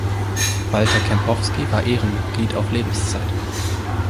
Walter Kempowski war Ehrenmitglied auf Lebenszeit.